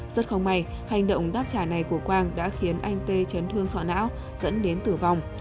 rất không may hành động đáp trả này của quang đã khiến anh tê chấn thương sọ não dẫn đến tử vong